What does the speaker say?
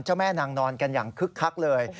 แม่นางนอนกันอย่างคึกคักเลย